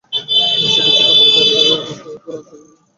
সে কিছুক্ষণ পায়চারি করে ঘোড়া ঘুরিয়ে সৈন্যদের কাছে ফিরে আসে।